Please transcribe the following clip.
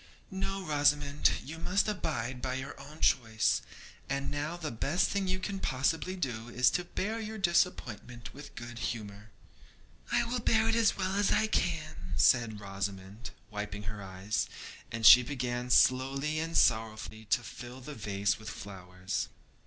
'No, Rosamond; you must abide by your own choice, and now the best thing you can possibly do is to bear your disappointment with good humour.' 'I will bear it as well as I can,' said Rosamond, wiping her eyes; and she began slowly and sorrowfully to fill the vase with flowers.